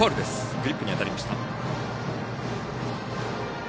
グリップに当たりました。